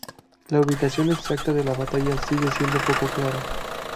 La ubicación exacta de la batalla sigue siendo poco clara.